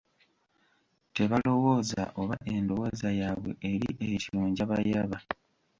Tebalowooza oba endowooza yaabwe eri etyo njabayaba.